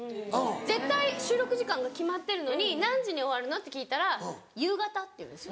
絶対収録時間が決まってるのに「何時に終わるの？」って聞いたら「夕方」って言うんです